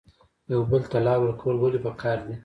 یو بل ته لار ورکول ولې پکار دي؟